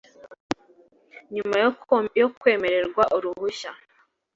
nyuma yo kwemererwa uruhushya